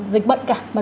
dịch bệnh cả